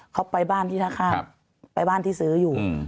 เขาไปบ้านที่ท่าข้ามไปบ้านที่ซื้ออยู่